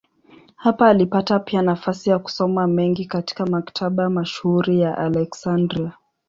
Hapa alipata pia nafasi ya kusoma mengi katika maktaba mashuhuri ya Aleksandria.